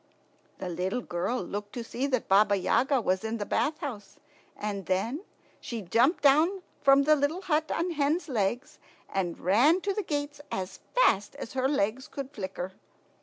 The little girl looked to see that Baba Yaga was in the bath house, and then she jumped down from the little hut on hen's legs, and ran to the gates as fast as her legs could flicker.